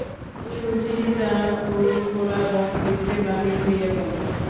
সুচরিতা ও গোরা ঘর হইতে বাহির হইয়া গেল।